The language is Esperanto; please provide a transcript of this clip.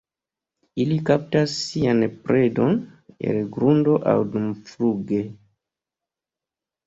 Ili kaptas sian predon el grundo aŭ dumfluge.